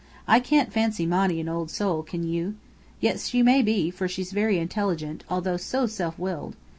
I can't fancy Monny an old soul, can you? yet she may be, for she's very intelligent, although so self willed.